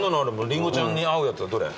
りんごちゃんに合うやつはどれ？